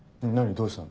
どうしたの？